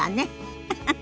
フフフ。